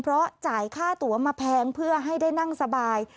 เพราะจ่ายค่าตัวมาแพงเพื่อให้ได้นั่งสบาย